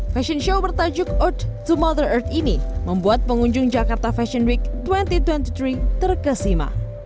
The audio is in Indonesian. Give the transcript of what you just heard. fashion show bertajuk out to mother earth ini membuat pengunjung jakarta fashion week dua ribu dua puluh tiga terkesima